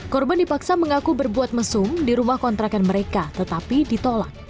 korban dipaksa mengaku berbuat mesum di rumah kontrakan mereka tetapi ditolak